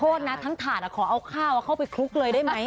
โทษนะทั้งถาดขอเอาข้าวเข้าไปคลุกเลยได้ไหม